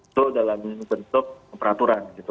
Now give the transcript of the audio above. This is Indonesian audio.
itu dalam bentuk peraturan gitu